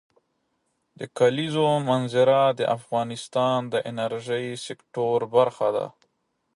د کلیزو منظره د افغانستان د انرژۍ سکتور برخه ده.